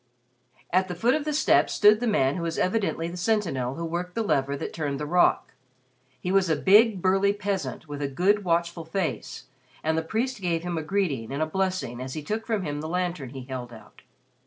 At the foot of the steps stood the man who was evidently the sentinel who worked the lever that turned the rock. He was a big burly peasant with a good watchful face, and the priest gave him a greeting and a blessing as he took from him the lantern he held out.